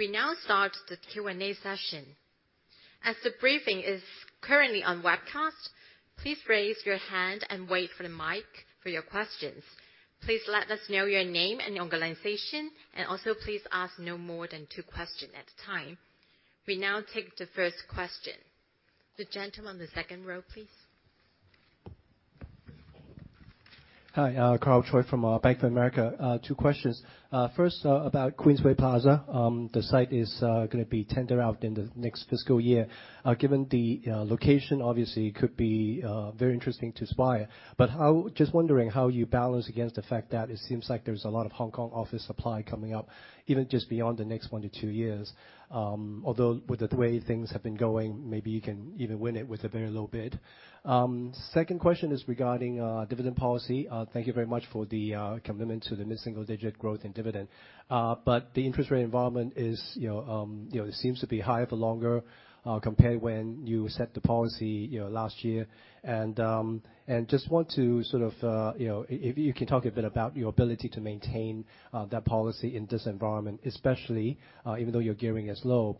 We now start the Q&A session. As the briefing is currently on webcast, please raise your hand and wait for the mic for your questions. Please let us know your name and your organization, and also please ask no more than two question at a time. We now take the first question. The gentleman on the second row, please. Hi, Karl Choi from Bank of America. Two questions. First, about Queensway Plaza. The site is gonna be tender out in the next fiscal year. Given the location obviously could be very interesting to Swire Properties. Just wondering how you balance against the fact that it seems like there's a lot of Hong Kong office supply coming up, even just beyond the next 1-2 years. Although with the way things have been going, maybe you can even win it with a very low bid. Second question is regarding dividend policy. Thank you very much for the commitment to the mid-single digit growth in dividend. The interest rate environment is, you know, you know, seems to be higher for longer, compared when you set the policy, you know, last year. Just want to sort of, you know, if you can talk a bit about your ability to maintain that policy in this environment, especially even though your gearing is low,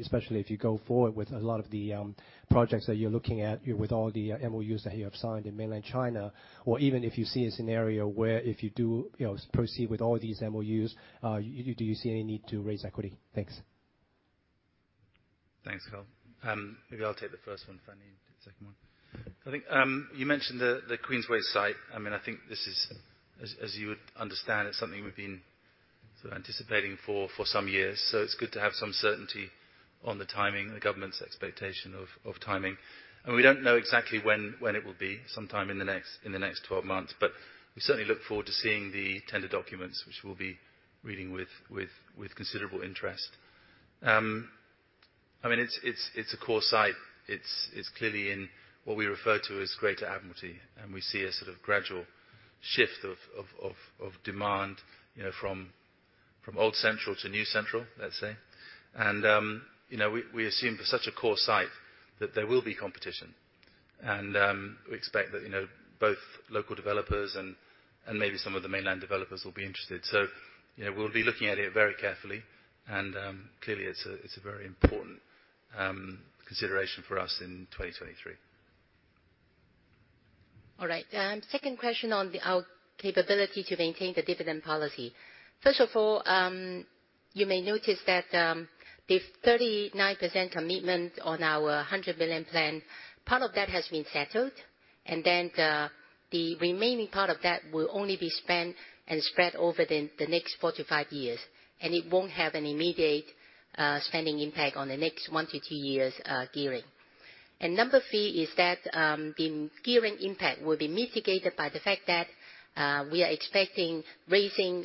especially if you go forward with a lot of the projects that you're looking at with all the MOUs that you have signed in mainland China, or even if you see a scenario where if you do, you know, proceed with all these MOUs, do you see any need to raise equity? Thanks. Thanks, Karl. Maybe I'll take the first one. Fanny, the second one. I think you mentioned the Queensway site. I mean, I think this is as you would understand, it's something we've been sort of anticipating for some years. It's good to have some certainty on the timing and the government's expectation of timing. We don't know exactly when it will be, sometime in the next 12 months. We certainly look forward to seeing the tender documents, which we'll be reading with considerable interest. I mean, it's a core site. It's clearly in what we refer to as Greater Admiralty, and we see a sort of gradual shift of demand, you know, from old Central to New Central, let's say. You know, we assume for such a core site that there will be competition. We expect that, you know, both local developers and maybe some of the mainland developers will be interested. You know, we'll be looking at it very carefully, and clearly it's a, it's a very important consideration for us in 2023. Second question on our capability to maintain the dividend policy. First of all, you may notice that the 39% commitment on our 100 billion plan, part of that has been settled, and then the remaining part of that will only be spent and spread over the next 4-5 years, and it won't have an immediate spending impact on the next 1-2 years gearing. Number three is that the gearing impact will be mitigated by the fact that we are expecting raising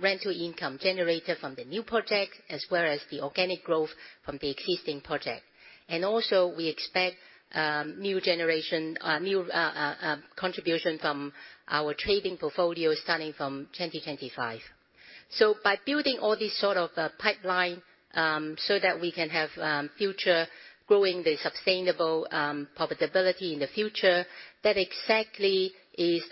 rental income generated from the new projects as well as the organic growth from the existing project. Also, we expect new generation new contribution from our trading portfolio starting from 2025. By building all this sort of pipeline, so that we can have future growing the sustainable profitability in the future, that exactly is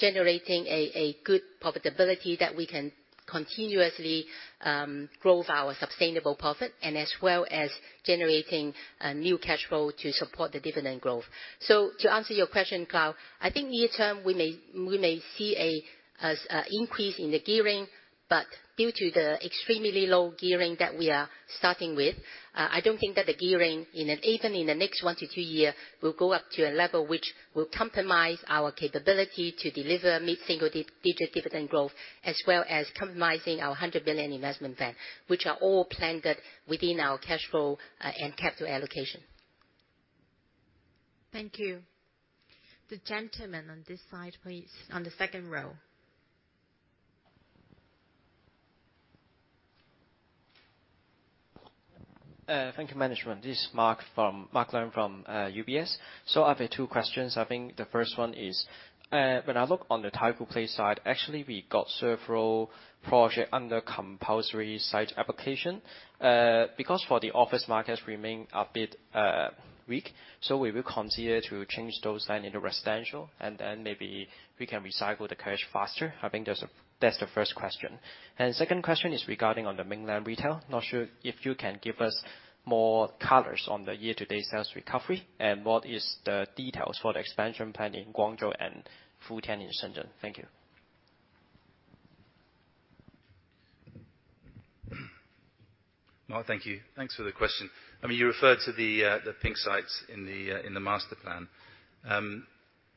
generating a good profitability that we can continuously grow our sustainable profit and as well as generating new cash flow to support the dividend growth. To answer your question, Karl, I think near term we may see an increase in the gearing, but due to the extremely low gearing that we are starting with, I don't think that the gearing even in the next 1 to 2 year will go up to a level which will compromise our capability to deliver mid-single digit dividend growth as well as compromising our HK$100 billion investment plan, which are all planned within our cash flow and capital allocation. Thank you. The gentleman on this side, please, on the second row. Thank you management. This is Mark Leung from UBS. I have two questions. I think the first one is, when I look on the Taikoo Place side, actually we got several project under compulsory sale application. Because for the office markets remain a bit weak, we will consider to change those then into residential, and then maybe we can recycle the cash faster. I think that's the first question. Second question is regarding on the mainland retail. Not sure if you can give us more colors on the year-to-date sales recovery and what is the details for the expansion plan in Guangzhou and Futian in Shenzhen. Thank you. Mark, thank you. Thanks for the question. I mean, you refer to the pink sites in the master plan. I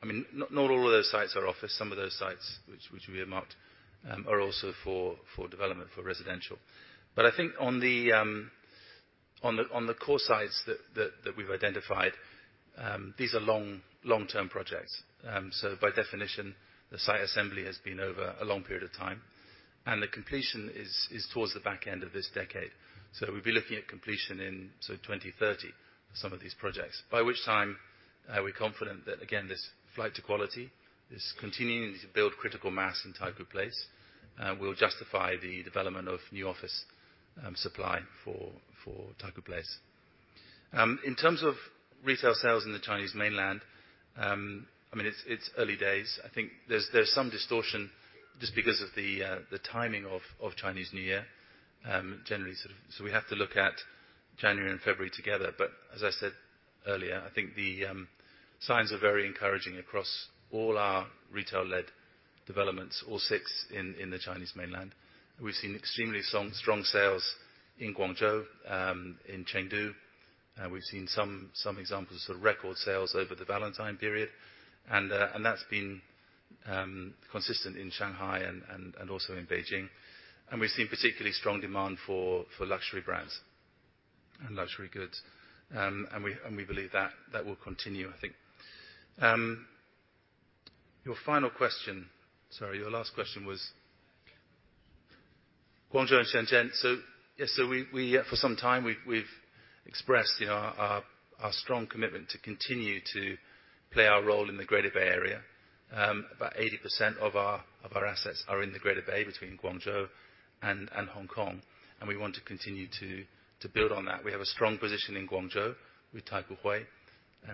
mean, not all of those sites are office. Some of those sites which we have marked are also for development for residential. I think on the core sites that we've identified, these are long-term projects. By definition, the site assembly has been over a long period of time, and the completion is towards the back end of this decade. We'd be looking at completion in sort of 2030 for some of these projects, by which time, we're confident that again, this flight to quality is continuing to build critical mass in Taikoo Place, will justify the development of new office supply for Taikoo Place. In terms of retail sales in the Chinese mainland, I mean, it's early days. I think there's some distortion just because of the timing of Chinese New Year, generally sort of. We have to look at January and February together. As I said earlier, I think the signs are very encouraging across all our retail-led developments, all six in the Chinese mainland. We've seen extremely strong sales in Guangzhou, in Chengdu, we've seen examples of record sales over the Valentine period. That's been consistent in Shanghai and also in Beijing. We've seen particularly strong demand for luxury brands and luxury goods. We believe that will continue, I think. Your final question, sorry, your last question was Guangzhou and Shenzhen. Yes, so we, for some time, we've expressed, you know, our strong commitment to continue to play our role in the Greater Bay Area. About 80% of our assets are in the Greater Bay between Guangzhou and Hong Kong, and we want to continue to build on that. We have a strong position in Guangzhou with Taikoo Hui.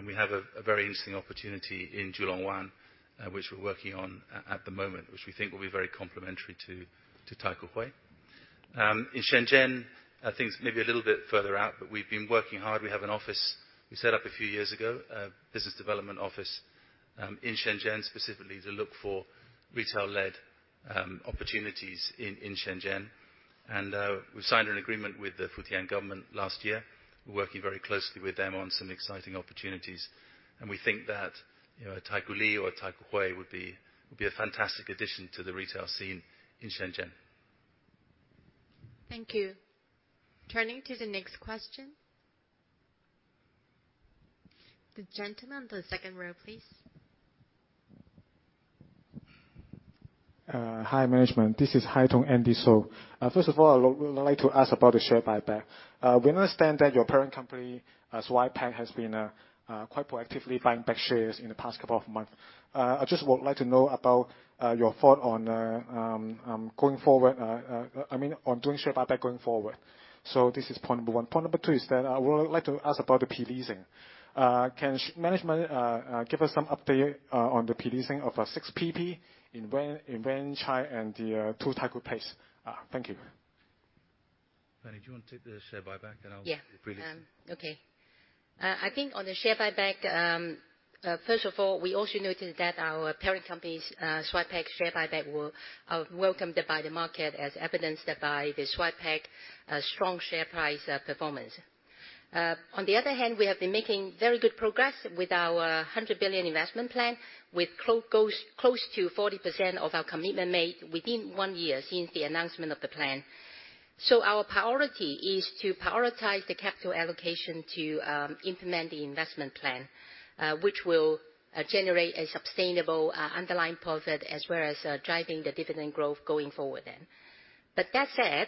We have a very interesting opportunity in Julong Wan, which we're working on at the moment, which we think will be very complementary to Taikoo Hui. In Shenzhen, things may be a little bit further out, we've been working hard. We have an office we set up a few years ago, a business development office in Shenzhen specifically to look for retail-led opportunities in Shenzhen. We signed an agreement with the Futian government last year. We're working very closely with them on some exciting opportunities. We think that, you know, a Taikoo Li or Taikoo Hui would be a fantastic addition to the retail scene in Shenzhen. Thank you. Turning to the next question. The gentleman on the second row, please. Hi, management. This is Haitong, Andy So. First of all, I would like to ask about the share buyback. We understand that your parent company, Swire Pacific, has been quite proactively buying back shares in the past couple of months. I just would like to know about your thought on going forward, I mean, on doing share buyback going forward. This is point number one. Point number two is that I would like to ask about the pre-leasing. Can management give us some update on the pre-leasing of Six PP in Wan Chai and the Two Taikoo Place? Thank you. Fanny, do you want to take the share buyback? Yeah. -pre-leasing? Okay. I think on the share buyback, first of all, we also noted that our parent company's Swire Pacific share buyback were welcomed by the market as evidenced by the Swire Pacific strong share price performance. On the other hand, we have been making very good progress with our HK$100 billion investment plan, with close to 40% of our commitment made within one year since the announcement of the plan. Our priority is to prioritize the capital allocation to implement the investment plan, which will generate a sustainable underlying profit, as well as driving the dividend growth going forward then. That said,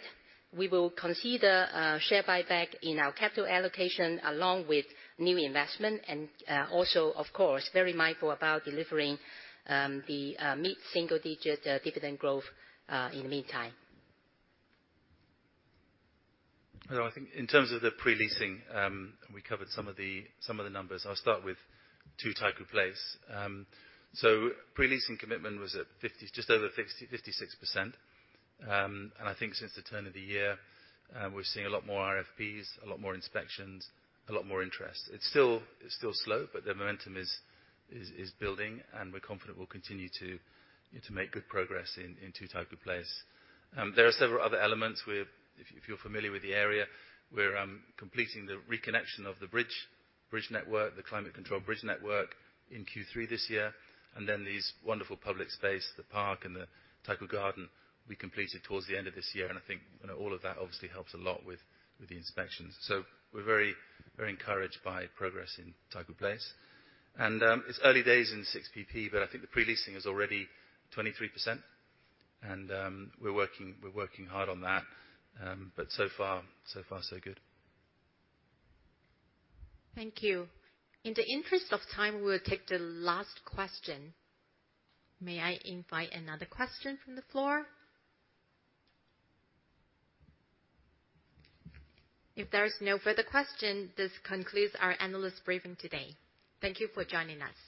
we will consider share buyback in our capital allocation along with new investment and also, of course, very mindful about delivering the mid-single digit dividend growth in the meantime. You know, I think in terms of the pre-leasing, we covered some of the numbers. I'll start with Two Taikoo Place. Pre-leasing commitment was at 50, just over 50, 56%. I think since the turn of the year, we're seeing a lot more RFPs, a lot more inspections, a lot more interest. It's still slow, but the momentum is building, and we're confident we'll continue to, you know, to make good progress in Two Taikoo Place. There are several other elements with... If you're familiar with the area, we're completing the reconnection of the bridge network, the climate-controlled bridge network in Q3 this year, and then these wonderful public space, the park and the Taikoo Garden, will be completed towards the end of this year. I think, you know, all of that obviously helps a lot with the inspections. We're very, very encouraged by progress in Taikoo Place. It's early days in Six PP, but I think the pre-leasing is already 23%. We're working hard on that. So far so good. Thank you. In the interest of time, we'll take the last question. May I invite another question from the floor? If there is no further question, this concludes our analyst briefing today. Thank you for joining us.